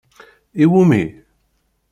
I wumi?